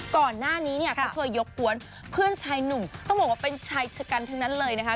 ก่อนหน้านี้เนี่ยเขาเคยยกกวนเพื่อนชายหนุ่มต้องบอกว่าเป็นชายชะกันทั้งนั้นเลยนะคะ